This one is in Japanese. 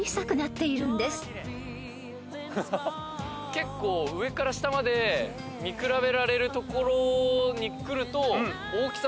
結構上から下まで見比べられる所に来ると。